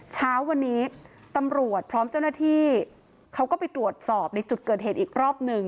เช้าวันนี้ตำรวจพร้อมเจ้าหน้าที่เขาก็ไปตรวจสอบในจุดเกิดเหตุอีกรอบหนึ่ง